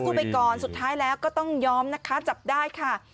ไปก่อนสุดท้ายแล้วก็ต้องยอมนะคะจับได้ค่ะ